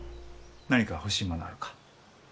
何か欲しいものはあるか？